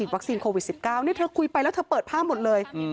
วัคซีนโควิด๑๙นี่เธอคุยไปแล้วเธอเปิดภาพหมดเลย